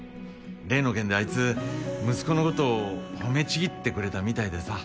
例の件であいつ息子のことを褒めちぎってくれたみたいでさ。